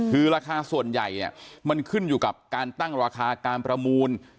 คือราคาส่วนใหญ่มันขึ้นอยู่กับการตั้งราคาการประมูล